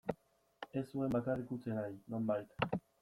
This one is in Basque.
Ez zuen bakarrik utzi nahi, nonbait.